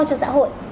cho các đối tượng